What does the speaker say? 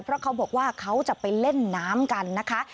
เพราะเขาบอกว่าเขาจะไปเล่นน้ำกันนะคะ